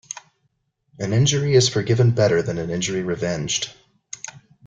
An injury is forgiven better than an injury revenged.